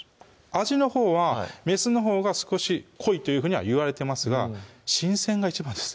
味のほうはメスのほうが少し濃いというふうにはいわれますが新鮮が一番です